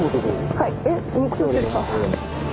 はい。